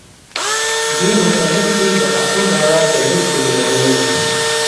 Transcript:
دې مصنف چې دَاخون بابا دَليک کومې نمونې